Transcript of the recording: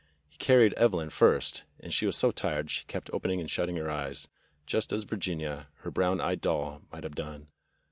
He carried Evelyn first, and she was so tired she kept opening and shutting her eyes, just as Vir ginia, her brown eyed doll, might have done.